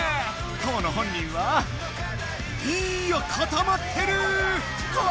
当の本人は？いやかたまってる⁉トア？